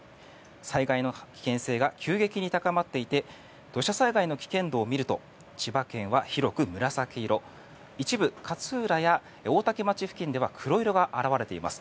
災害の危険性が急激に高まっていて土砂災害の危険度を見ると千葉県は広く紫色一部、勝浦や大多喜町付近では黒色が表れています。